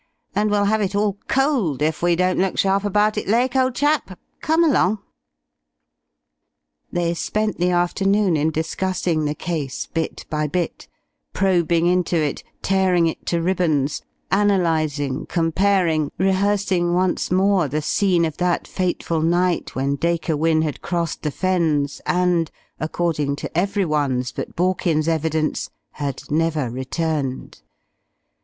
And we'll have it all cold if we don't look sharp about it, Lake, old chap. Come along." ... They spent the afternoon in discussing the case bit by bit, probing into it, tearing it to ribbons, analysing, comparing, rehearsing once more the scene of that fateful night when Dacre Wynne had crossed the Fens, and, according to everyone's but Borkins's evidence, had never returned.